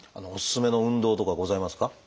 おすすめの運動とかございますか？